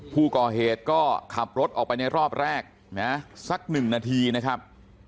ผู้ก่อเหตุก็ขับรถออกไปในรอบแรกนะสักหนึ่งนาทีนะครับ